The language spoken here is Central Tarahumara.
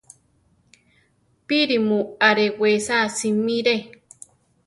¡Píri mu arewesa simire!